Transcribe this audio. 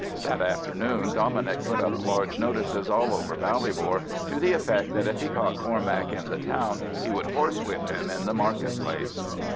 That afternoon Dominic put up large notices all over Ballybor to the effect that if he caught Cormac in the town he would horsewhip him in the market place.